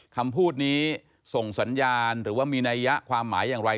คำพูดนี้ส่งสัญญาณหรือว่ามีนัยยะความหมายอย่างไร